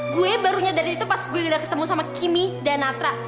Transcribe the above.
gue baru nyadarin itu pas gue gak ketemu sama kimi dan natra